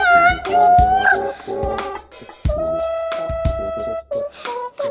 yah gue ngacur